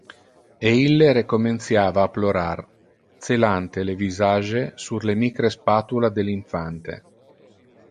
E ille recomenciava a plorar, celante le visage sur le micre spatula del infante.